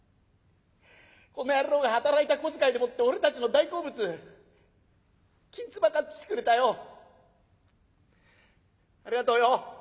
この野郎が働いた小遣いでもって俺たちの大好物きんつば買ってきてくれたよ。ありがとよ。